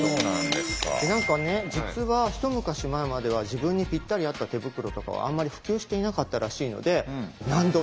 で何かね実は一昔前までは自分にぴったり合った手袋とかはあんまり普及していなかったらしいのでマジ！？